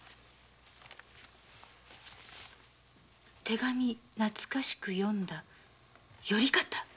「手紙懐かしく読んだ頼方」